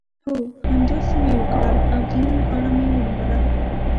هو! همداسې مې وکړل او د نېل غاړه مې ونیوله.